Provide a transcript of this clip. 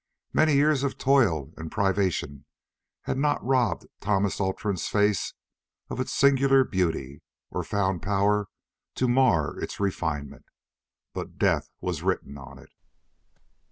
Many years of toil and privation had not robbed Thomas Outram's face of its singular beauty, or found power to mar its refinement. But death was written on it.